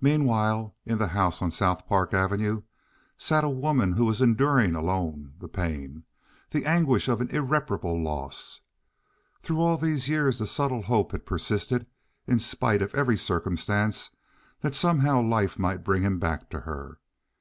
Meanwhile in the house on South Park Avenue sat a woman who was enduring alone the pain, the anguish of an irreparable loss. Through all these years the subtle hope had persisted, in spite of every circumstance, that somehow life might bring him back to her.